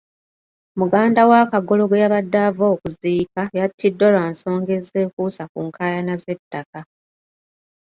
Muganda wa Kagolo gwe yabadde ava okuziika yattiddwa lwa nsonga ezeekuusa ku nkaayana z'ettaka.